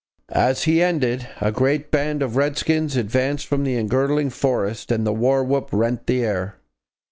As he ended, a great band of redskins advanced from the engirdling forest, and the war whoop rent the air.